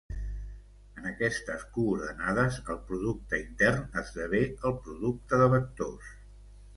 En aquestes coordenades, el producte intern esdevé el producte de vectors.